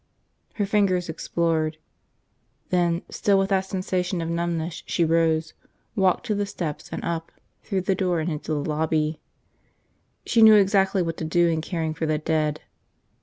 Her fingers explored. Then, still with that sensation of numbness she rose, walked to the steps and up, through the door, and into the lobby. She knew exactly what to do in caring for the dead.